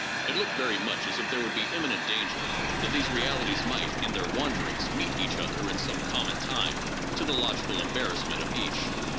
It looked very much as if there would be imminent danger that these realities might in their wanderings meet each other in some common time to the logical embarrassment of each.